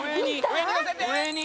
「上に！